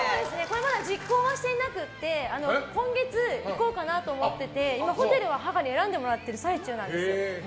まだ実行はしていなくて今月行こうかなと思っていてホテルは母に選んでもらってる最中なんです。